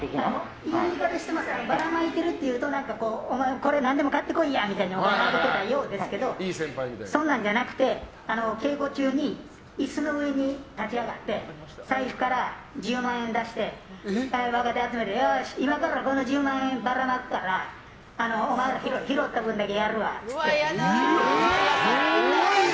ばらまいてるっていうとお前、これで何でも買って来いやみたいに思われるかもしれないですけどそんなんじゃなくて稽古中に椅子の上に立ち上がって財布から１０万円を出して若手集めて、よし、今からこの１０万円ばらまくからお前ら、拾った分だけやるわって。